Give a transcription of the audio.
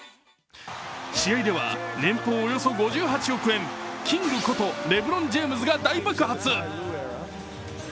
試合では年俸およそ５８億円、キングことレブロン・ジェームズが大爆発。